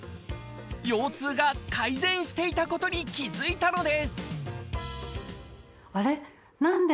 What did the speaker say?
腰痛が改善していたことに気づいたのです。